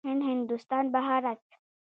هند، هندوستان، بهارت.